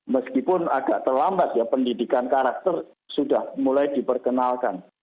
meskipun agak terlambat ya pendidikan karakter sudah mulai diperkenalkan